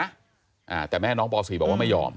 อ่าแต่แม่น้องปสี่บอกว่าไม่ยอม